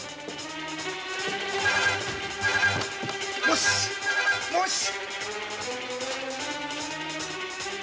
もしもし！